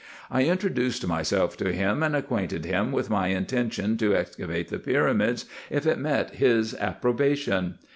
I introduced myself to him, and acquainted him with my intention to excavate the pyramids, if it met his approbation.